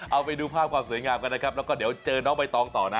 เอาไปดูภาพว่ามสวยงามกันแล้วก็เดี๋ยวเจอน้องบ๊ายตองต่อนะ